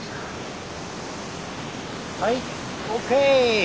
はいＯＫ！